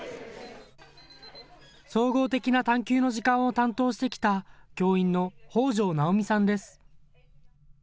総合的な探究の時間を担当してきた教員の北條奈緒美さんです。